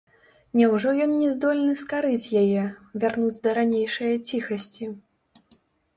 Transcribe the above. Няўжо ён не здольны скарыць яе, вярнуць да ранейшае ціхасці?